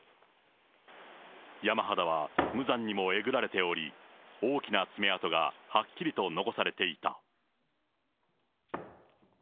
山肌は無残にもえぐられており、大きな爪痕がはっきりと残されていた。